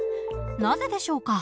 なぜでしょうか？